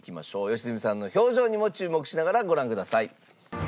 良純さんの表情にも注目しながらご覧ください。